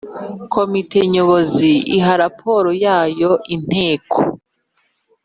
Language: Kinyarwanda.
Komite Nyobozi iha raporo yayo Inteko